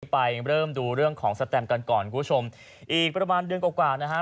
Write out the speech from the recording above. ไปเริ่มดูเรื่องของสแตมกันก่อนคุณผู้ชมอีกประมาณเดือนกว่ากว่านะฮะ